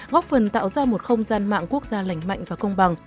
góp phần tạo ra một không gian mạng quốc gia lành mạnh và công bằng